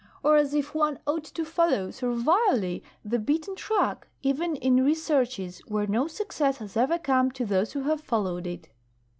Or as if one ought to follow servilely the beaten track, even in researches where no success has ever come to those who have followed it!